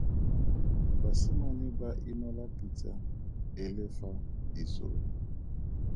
Basimane ba inola pitsa e le fa isong.